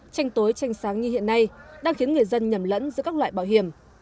tranh tối tranh sáng như hiện nay đang khiến người dân nhầm lẫn giữa các loại bảo hiểm